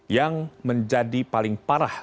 yang menjadi paling parah